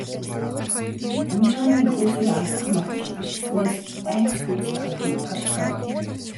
Амьжиргааны эх үүсвэрээ алдах магадлал ихэссэнээс айдас хүйдэст автах нь тодорхой юм.